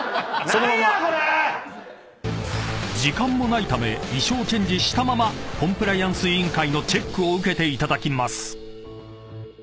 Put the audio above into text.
［時間もないため衣装チェンジしたままコンプライアンス委員会のチェックを受けていただきます］